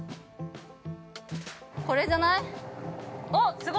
◆これじゃない？